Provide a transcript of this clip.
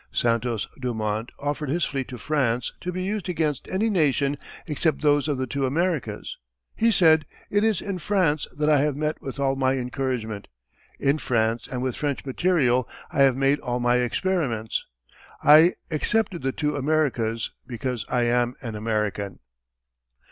Santos Dumont offered his fleet to France to be used against any nation except those of the two Americas. He said: "It is in France that I have met with all my encouragement; in France and with French material I have made all my experiments. I excepted the two Americas because I am an American."